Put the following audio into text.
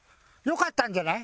良かったんじゃない？